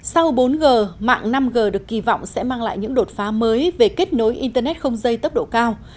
sau bốn g mạng năm g được kỳ vọng sẽ mang lại những đột phá mới về kết nối internet không dây tốc độ cao